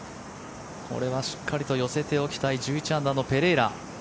これはしっかりと寄せておきたい１１アンダーのペレイラ。